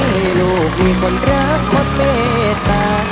ให้ลูกมีคนรักคนเมตตา